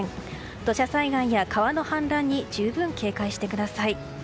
土砂災害や川の氾濫に十分警戒してください。